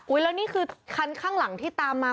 แล้วนี่คือคันข้างหลังที่ตามมา